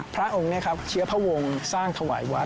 พระองค์นี้ครับเชื้อพระวงศ์สร้างถวายวัด